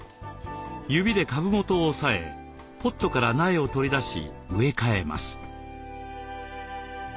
指で株元を押さえポットから苗を取り出し植え替えます。